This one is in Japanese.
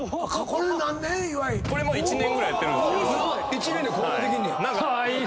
１年でこんなできんねや。